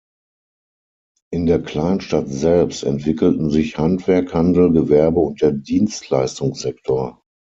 In der Kleinstadt selbst entwickelten sich Handwerk, Handel, Gewerbe und der Dienstleistungssektor.